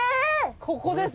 ここです。